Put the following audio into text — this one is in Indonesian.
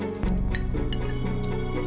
tuhan aku mau nyunggu